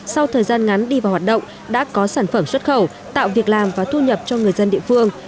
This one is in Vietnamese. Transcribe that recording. sau thời gian ngắn đi vào hoạt động đã có sản phẩm xuất khẩu tạo việc làm và thu nhập cho người dân địa phương